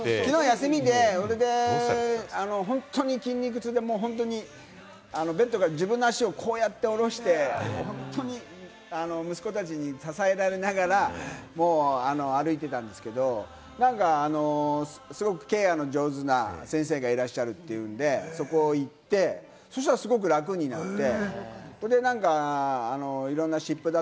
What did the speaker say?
休みで、本当に筋肉痛で、ベッドから自分の足をこうやって下ろして、息子たちに支えられながら歩いてたんですけれども、すごくケアの上手な先生がいらっしゃるというので、そこに行って、そしたら、すごく楽になって。